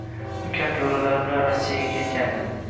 Ukam joʻralari bilan Rossiyaga ketgandi